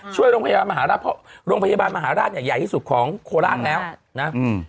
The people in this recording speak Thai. ช่วยโรงพยาบาลมหาราชเพราะโรงพยาบาลมหาราชเนี่ยใหญ่ที่สุดของโคราชแล้วนะอืม